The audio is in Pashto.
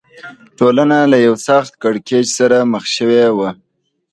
ټولنه له یوه سخت کړکېچ سره مخ شوې وه.